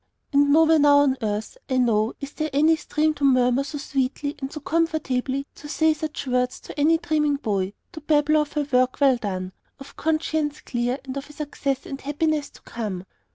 And nowhere now on earth, I know, is there any stream to murmur so sweetly and so comfortably, to say such words to any dreaming boy, to babble of a work well done, of conscience clear and of a success and happiness to come.